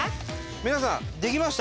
皆さん。